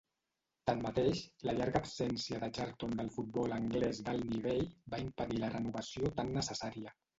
Tanmateix, la llarga absència de Charlton del futbol anglès d'alt nivell va impedir la renovació tan necessària.